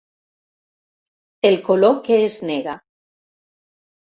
El color que es nega.